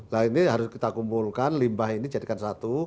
nah ini harus kita kumpulkan limbah ini jadikan satu